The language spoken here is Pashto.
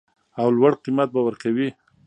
او لوړ قیمت به ورکوي